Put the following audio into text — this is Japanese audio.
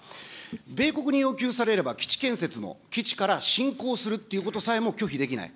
米国に要求されれば、基地建設も、基地から侵攻するっていうことさえも拒否できない。